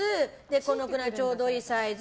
このくらい、ちょうどいいサイズ